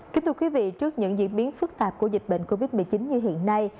kính thưa quý vị trước những diễn biến phức tạp của dịch bệnh covid một mươi chín như hiện nay